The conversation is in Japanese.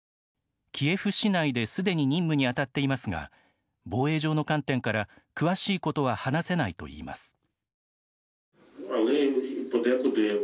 キエフ市内で、すでに任務にあたっていますが防衛上の観点から詳しいことは話せないと言います。